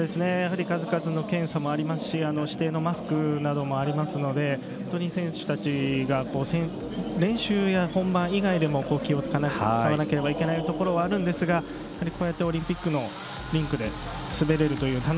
数々の検査もありますし指定のマスクなどもありますので選手たちが練習や本番以外でも気を使わなければいけないところあるんですがこうやってオリンピックのリンクで滑れるという。